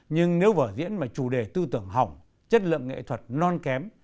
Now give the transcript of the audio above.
nhưng nếu vở diễn mà chủ đề tư tưởng hỏng chất lượng nghệ thuật non kém